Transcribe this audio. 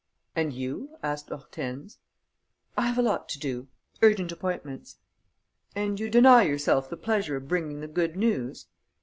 "And you?" asked Hortense. "I have a lot to do ... urgent appointments...." "And you deny yourself the pleasure of bringing the good news?"